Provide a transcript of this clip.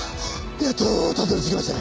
やっとたどり着きましたね。